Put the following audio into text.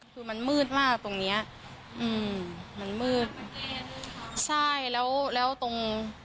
คือมันมืดมากตรงเนี้ยอืมมันมืดใช่แล้วแล้วตรง